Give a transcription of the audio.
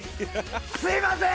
すみません！